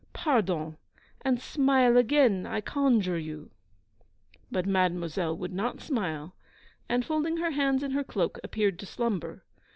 Pardon, and smile again I conjure you.' But Mademoiselle would not smile; and, folding her hands in her cloak, appeared to slumber.